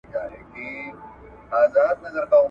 موږ ته ورکي لاري را آسانه کړي !.